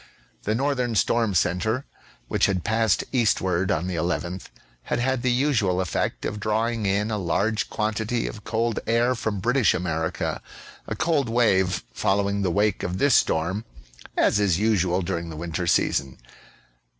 The northern storm centre, which had passed eastward on the 11th, had had the usual effect of drawing in a large quantity of cold air from British America ; a cold wave following the wake of this storm, as is usual during the winter season.